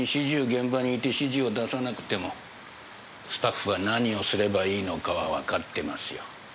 現場にいて指示を出さなくてもスタッフは何をすればいいのかはわかってますよ。